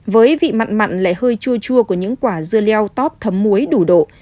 với vị mặn mặn lại hơi chua chua của những quả dưa leo tóp thấm muối đủ độ